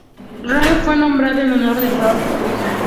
Rayleigh fue nombrado en honor de Lord Rayleigh.